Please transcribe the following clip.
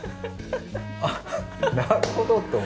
「あっなるほど！」って。